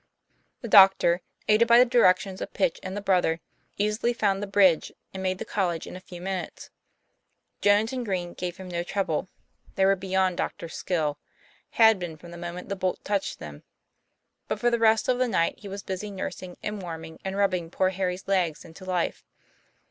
The doctor, aided by the directions of Pitch and the brother, easily found the bridge, and made the college in a few minutes. Jones and Green gave him no trouble: they were beyond doctors' skill TOM PLAYFAIR. 125 had been from the moment the bolt touched them. But for the rest of the night he was busy nursing and warming and rubbing poor Harry's legs into life.